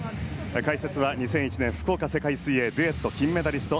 解説は２００１年世界水泳福岡デュエット金メダリスト